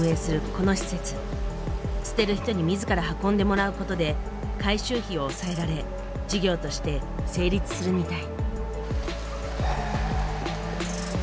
捨てる人に自ら運んでもらうことで回収費を抑えられ事業として成立するみたい。